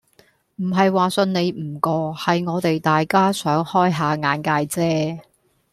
唔係話信你唔過，係我哋大家想開吓眼界啫